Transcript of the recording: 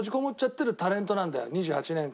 ２８年間。